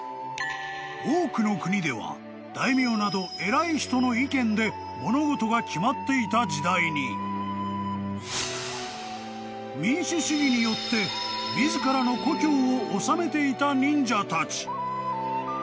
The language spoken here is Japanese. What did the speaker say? ［多くの国では大名など偉い人の意見で物事が決まっていた時代に民主主義によって自らの故郷を治めていた忍者たち］